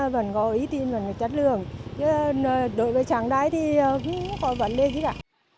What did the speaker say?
vẫn có ý tin về chất lượng đối với trang đáy thì không có vấn đề gì cả